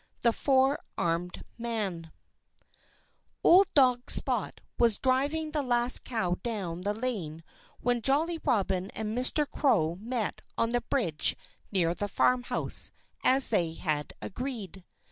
XX THE FOUR ARMED MAN Old dog Spot was driving the last cow down the lane when Jolly Robin and Mr. Crow met on the bridge near the farmhouse, as they had agreed.